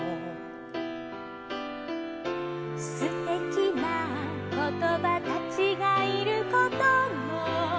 「すてきなことばたちがいることも」